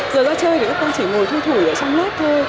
giờ ra chơi thì các con chỉ ngồi thu thủy ở trong lớp thôi